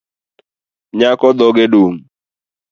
Nyako dhoge dum